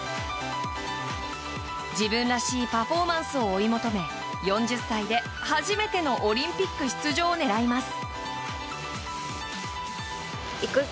自分らしいパフォーマンスを追い求め４０歳で初めてのオリンピック出場を狙います。